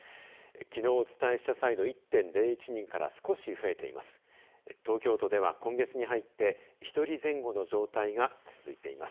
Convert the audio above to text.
きのうお伝えした際の１．０１人から少し増えています。